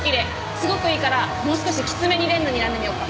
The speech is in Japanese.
すごくいいからもう少しきつめにレンズにらんでみようか。